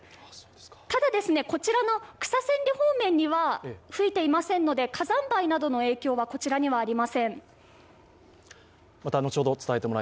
ただ、草千里方面には吹いていませんので火山灰などの影響は、こちらにはありません。